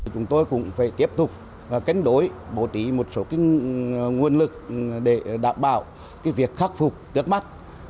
chúng tôi cũng phải tiếp tục kết nối bổ trí một số cái nguồn lực để đảm bảo cái việc khắc phục được mắt